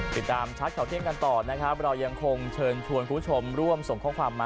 ติดตามชาติเขาเที่ยงกันต่อเรายังคงเชิญคุณผู้ชมร่วมส่งข้อความมา